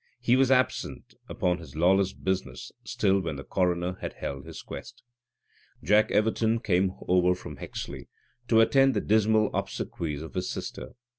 He was absent upon his lawless business still when the coroner had held his quest. Jack Everton came over from Hexley to attend the dismal obsequies of his sister.